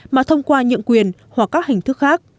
mà thông qua nhượng quyền hoặc các hình thức khác